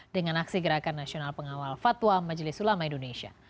dengan aksi gerakan nasional pengawal fatwa majelis ulama indonesia